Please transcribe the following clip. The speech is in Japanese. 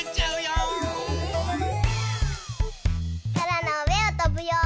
そらのうえをとぶよ！